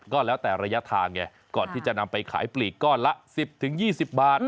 ก็แล้วแต่ระยะทางไงก่อนที่จะนำไปขายปลีกก้อนละ๑๐๒๐บาท